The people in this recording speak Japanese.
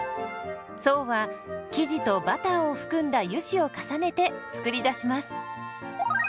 層は生地とバターを含んだ油脂を重ねて作り出します。